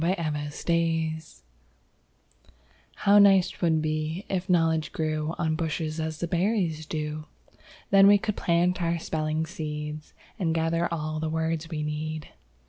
EASY KNOWLEDGE How nice 'twould be if knowledge grew On bushes, as the berries do! Then we could plant our spelling seed, And gather all the words we need.